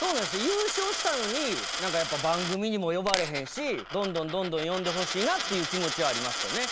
優勝したのにやっぱ番組にも呼ばれへんしどんどんどんどん呼んでほしいなっていう気持ちはありますよね。